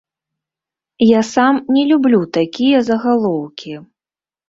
Я сам не люблю такія загалоўкі.